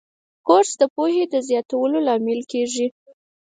کورس د پوهې زیاتولو لامل کېږي.